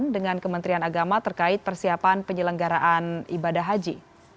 dengan kementerian agama terkait persiapan penyelenggaraan ibadah haji